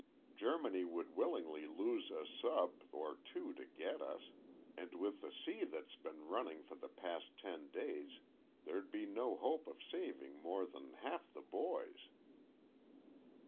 Germany would willingly lose a sub. or two to get us, and, with the sea that's been running for the past ten days, there'd be no hope of saving more than half the boys."